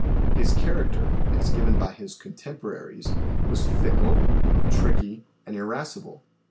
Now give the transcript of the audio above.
His character, as given by his contemporaries was fickle, tricky, and irascible.